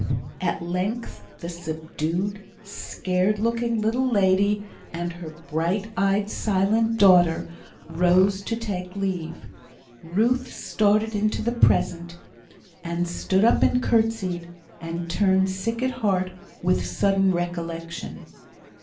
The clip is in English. At length the subdued, scared looking little lady and her bright eyed silent daughter rose to take leave; Ruth started into the present, and stood up and curtseyed, and turned sick at heart with sudden recollection.